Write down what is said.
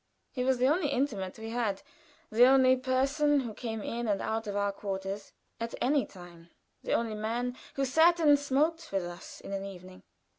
He was the only intimate we had the only person who came in and out of our quarters at any time; the only man who sat and smoked with us in an evening.